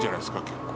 結構。